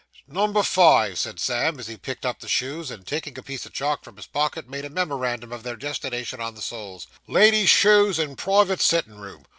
'Number five,' said Sam, as he picked up the shoes, and taking a piece of chalk from his pocket, made a memorandum of their destination on the soles 'Lady's shoes and private sittin' room!